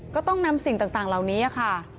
ก็ต้องนำสิ่งต่างเหล่านี้ค่ะ